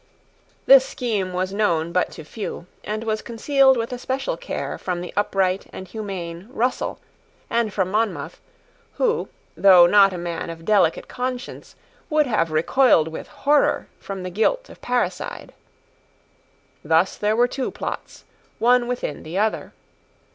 This scheme was known but to few, and was concealed with especial care from the upright and humane Russell, and from Monmouth, who, though not a man of delicate conscience, would have recoiled with horror from the guilt of parricide. Thus there were two plots, one within the other.